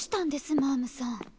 マァムさん。